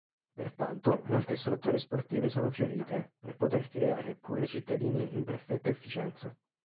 Pertanto molte strutture sportive sono fiorite, per poter creare pure cittadini in perfetta efficienza.